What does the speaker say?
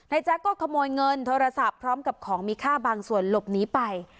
แจ๊คก็ขโมยเงินโทรศัพท์พร้อมกับของมีค่าบางส่วนหลบหนีไป